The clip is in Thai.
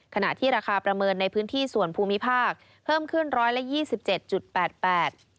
ขณะที่ราคาประเมินในพื้นที่ส่วนภูมิภาคเพิ่มขึ้น๑๒๗๘๘บาท